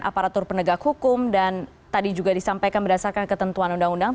aparatur penegak hukum dan tadi juga disampaikan berdasarkan ketentuan undang undang